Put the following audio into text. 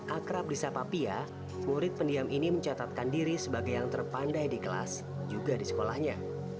akrab di sapa pia murid pendiam ini mencatatkan diri sebagai yang terpandai di kelas juga di sekolahnya